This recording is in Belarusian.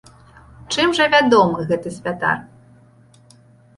Чым жа вядомы гэты святар?